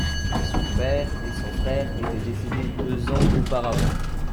Son père et son frère étaient décédés deux ans auparavant.